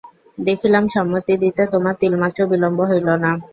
দেখিলাম সম্মতি দিতে তোমার তিলমাত্র বিলম্ব হইল না।